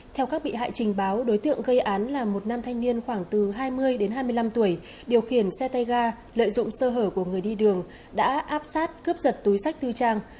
theo các bị hại trình báo đối tượng gây án là một nam thanh niên khoảng từ hai mươi đến hai mươi năm tuổi điều khiển xe tay ga lợi dụng sơ hở của người đi đường đã áp sát cướp giật túi sách tư trang